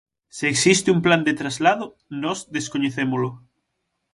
Se existe un plan de traslado, nós descoñecémolo.